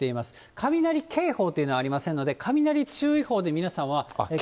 雷警報というのはありませんので、雷注意報で皆さんは。